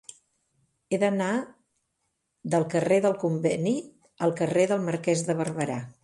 He d'anar del carrer del Conveni al carrer del Marquès de Barberà.